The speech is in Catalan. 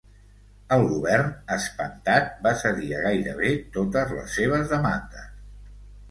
El govern, espantat, va cedir a gairebé totes les seves demandes.